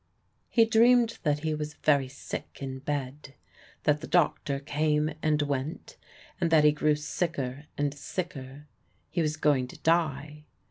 He dreamed that he was very sick in bed, that the doctor came and went, and that he grew sicker and sicker. He was going to die.